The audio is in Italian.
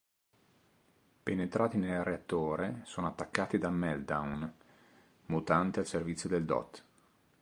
Penetrati nel reattore, sono attaccati da Meltdown, mutante al servizio del Dott.